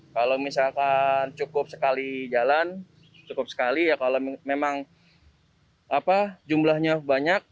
kalau misalkan cukup sekali jalan cukup sekali ya kalau memang jumlahnya banyak